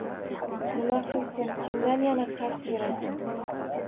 Nima qilsin, kimdan yana qarz soʻrasin?